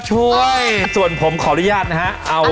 จ้ำบ๋า